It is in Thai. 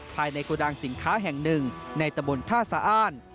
ภายในโกดังสินค้าแห่งหนึ่งในตะบนท่าสะอ้าน